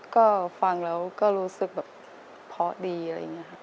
ก็ฟังแล้วก็รู้สึกแบบเพาะดีอะไรอย่างนี้ครับ